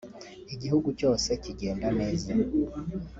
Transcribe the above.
igihugu cyose kigenda neza